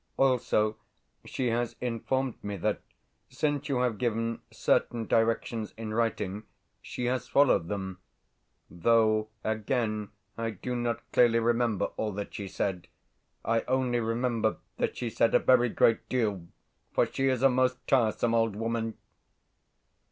Also, she has informed me that, since you have given certain directions in writing, she has followed them (though again I do not clearly remember all that she said I only remember that she said a very great deal, for she is a most tiresome old woman).